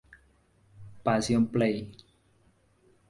Passion Play